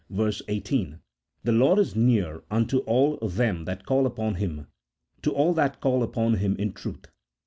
18), " The Lord is near unto all them that call upon Him, to all that call upon Him in truth."